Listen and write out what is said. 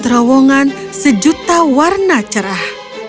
terowongan sejuta warna cerah